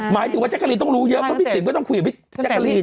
หมายถึงว่าจักรีนต้องรู้เยอะเพราะพี่ติ๋มก็ต้องคุยกับพี่แจ๊กกะลีน